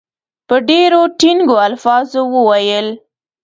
په ډېرو ټینګو الفاظو وویل.